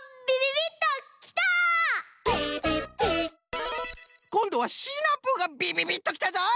「ビビビッ」こんどはシナプーがびびびっときたぞい！